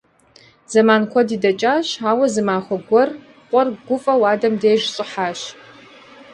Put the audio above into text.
Зэман куэди дэкӀащ, ауэ зы махуэ гуэр къуэр гуфӀэу адэм деж щӀыхьащ.